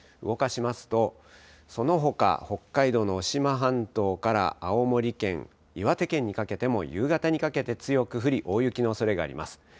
動かしますとそのほか北海道の渡島半島から青森県、岩手県にかけても夕方にかけて強く降り大雪のおそれがあります。